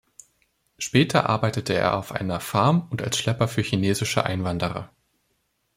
Später arbeitete er auf einer Farm und als Schlepper für chinesische Einwanderer.